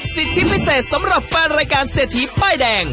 สิทธิพิเศษสำหรับแฟนรายการเศรษฐีป้ายแดง